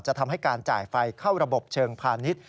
ทำให้การจ่ายไฟเข้าระบบเชิงพาณิชย์